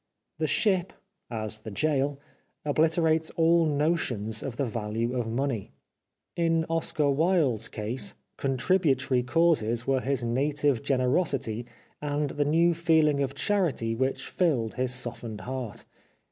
The ship, as the gaol, obliterates all notions of the value of money. In Oscar Wilde's case contributory causes were his native generosity and the new 404 i The Life of Oscar Wilde feeling of charity which filled his softened heart.